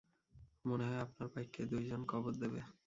মনে হয় আপনার বাইককে দুইজন কবর দেবে।